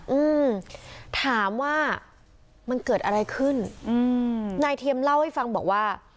อืมถามว่ามันเกิดอะไรขึ้นอืมนายเทียมเล่าให้ฟังบอกว่า